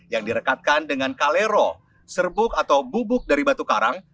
yang direkatkan dengan kalero serbuk atau bubuk dari batu karang